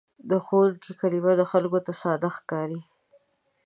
د ښوونکي کلمه خلکو ته ساده ښکاري.